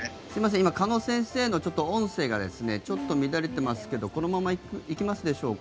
今、鹿野先生の音声がちょっと乱れていますがこのまま行けますでしょうか。